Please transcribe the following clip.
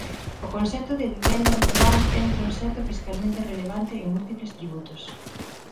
O concepto de vivenda habitual é un concepto fiscalmente relevante en múltiples tributos.